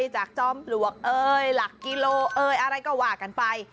จากจ้อมหลวกหลักกิโลอะไรก็ว่ากันไป